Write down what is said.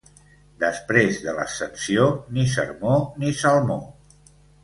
Després de l'Ascensió, ni sermó ni salmó.